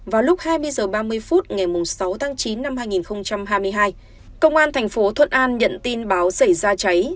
vào lúc hai mươi h ba mươi phút ngày sáu tháng chín năm hai nghìn hai mươi hai công an thành phố thuận an nhận tin báo xảy ra cháy